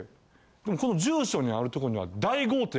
でもこの住所にあるとこには。